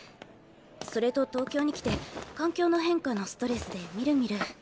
それと東京に来て環境の変化のストレスでみるみる。